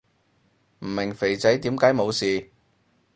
唔明肥仔點解冇事